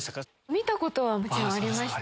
見たことはもちろんありました。